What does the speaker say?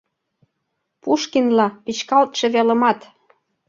Пушкинла: печкалтше велымат